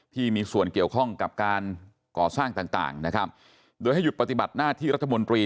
ที่มีส่วนเกี่ยวข้องกับการก่อสร้างต่างต่างนะครับโดยให้หยุดปฏิบัติหน้าที่รัฐมนตรี